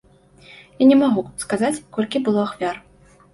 Я не магу сказаць, колькі было ахвяр.